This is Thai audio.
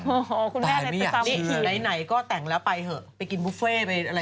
อ๋อคุณแม่ไหนก็แต่งแล้วไปเหอะไปกินบุฟเฟ่ไปอะไรแบบนี้